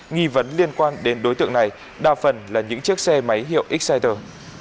nghi vấn liên quan đến đối tượng này đa phần là những chiếc xe máy hiệu exciter